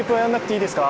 いいですか？